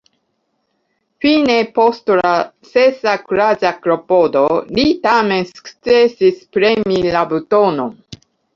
Fine, post la sesa kuraĝa klopodo, li tamen sukcesis premi la butonon.